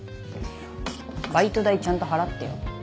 バイト代ちゃんと払ってよ？